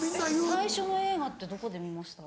最初の映画ってどこで見ました？